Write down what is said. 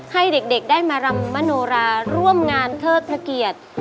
ให้เด็กได้มารำมนุระร่วมงานเทศนเกียจ